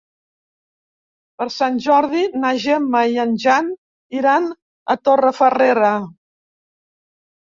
Per Sant Jordi na Gemma i en Jan iran a Torrefarrera.